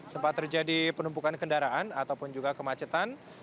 sempat terjadi penumpukan kendaraan ataupun juga kemacetan